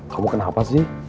kamu kenapa sih